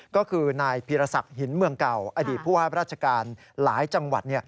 ก็คือนายพีรศักดิ์หินเมืองเก่าอดีตผู้ว่าราชการหลายจังหวัด